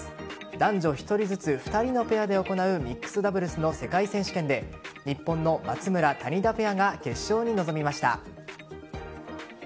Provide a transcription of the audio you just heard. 男女１人ずつ２人のペアで行うミックスダブルスの世界選手権で日本の松村・谷田ペアが決勝に臨みました。